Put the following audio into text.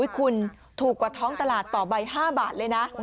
คุณถูกกว่าท้องตลาดต่อใบ๕บาทเลยนะ